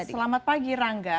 selamat pagi rangga